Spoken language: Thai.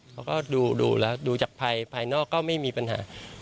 เขาก็ดูแล้วดูจากภายภายนอกก็ไม่มีปัญหา